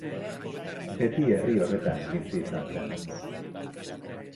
Beti herri horretan bizi izan zen.